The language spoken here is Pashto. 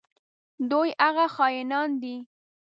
دوی هغه خاینان دي.